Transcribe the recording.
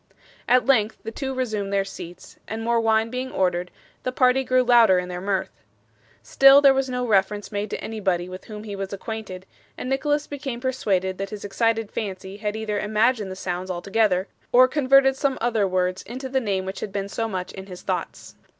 At length the two resumed their seats, and more wine being ordered, the party grew louder in their mirth. Still there was no reference made to anybody with whom he was acquainted, and Nicholas became persuaded that his excited fancy had either imagined the sounds altogether, or converted some other words into the name which had been so much in his thoughts.